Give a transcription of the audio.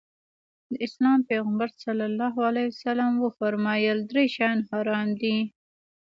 د اسلام پيغمبر ص وفرمايل درې شيان حرام دي.